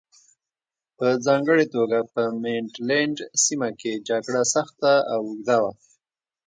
په ځانګړې توګه په مینډلنډ سیمه کې جګړه سخته او اوږده وه.